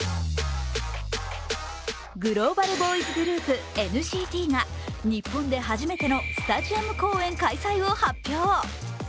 グローバルボーイズグループＮＣＴが日本で初めてのスタジアム公演開催を発表。